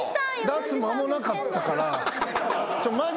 出す間もなかったから。